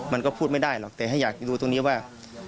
มันก็พูดไม่ได้หรอกแต่ถ้าอยากจะดูตรงนี้ว่า